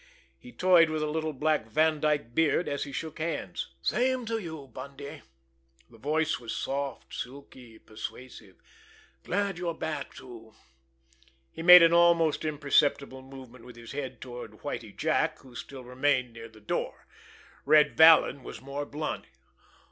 He toyed with a little black Vandyke beard, as he shook hands. "Same to you, Bundy!" The voice was soft, silky, persuasive. "Glad you're back, too!" He made an almost imperceptible movement with his head toward Whitie Jack, who still remained near the door. Red Vallon was more blunt.